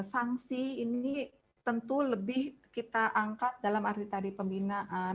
sanksi ini tentu lebih kita angkat dalam arti tadi pembinaan